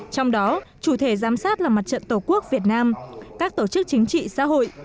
trong đó chủ thể giám sát là mặt trận tổ quốc việt nam các tổ chức chính trị xã hội